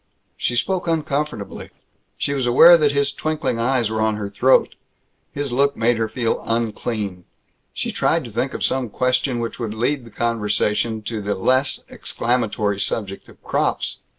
She spoke uncomfortably. She was aware that his twinkling eyes were on her throat. His look made her feel unclean. She tried to think of some question which would lead the conversation to the less exclamatory subject of crops.